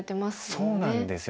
そうなんですよ。